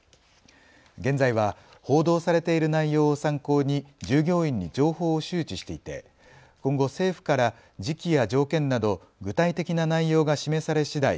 現在は報道されている内容を参考に従業員に情報を周知していて今後、政府から時期や条件など具体的な内容が示されしだい